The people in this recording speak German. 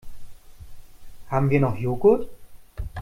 Haben wir noch Joghurt?